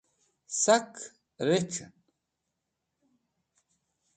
sak rec̃h'en